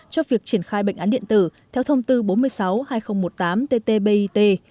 cho việc triển khai bệnh án điện tử theo thông tư bốn mươi sáu hai nghìn một mươi tám ttbit